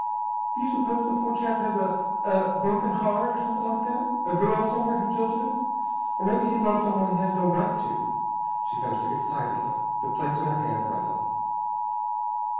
"Do you suppose the poor chap has a a broken heart, or something like that? A girl somewhere who jilted him? Or maybe he loves someone he has no right to!" she finished excitedly, the plates in her hand rattling.